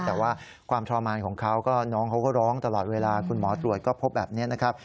แต่ว่าความทรมานของเขาก็น้องเขาก็ร้องตลอดเวลาคุณหมอตรวจก็พบแบบนี้นะครับ